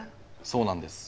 そうなんです。